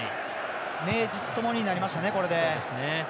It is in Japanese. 名実ともになりましたね、これで。